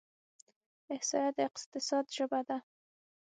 احصایه د اقتصاد ژبه ده.